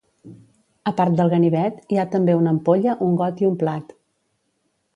A part del ganivet, hi ha també una ampolla, un got i un plat.